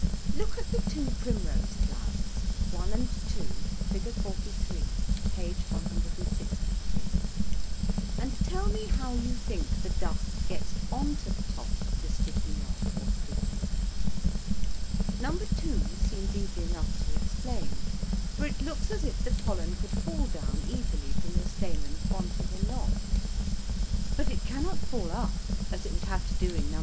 Look at the two primrose flowers, 1 and 2, Fig. 43, p. 163, and tell me how you think the dust gets on to the top of the sticky knob or stigma. No. 2 seems easy enough to explain, for it looks as if the pollen could fall down easily from the stamens on to the knob, but it cannot fall up, as it would have to do in No.